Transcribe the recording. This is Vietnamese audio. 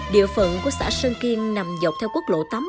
địa phận của xã sơn kiên nằm dọc theo quốc lộ tám mươi